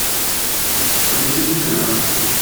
Connaissez-vous cela ?